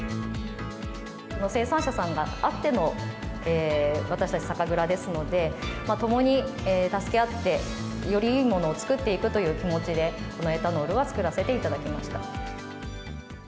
生産者さんあっての私たち、酒蔵ですので、共に助け合って、よりいいものを作っていくという気持ちで、このエタノールは作らせていただきました。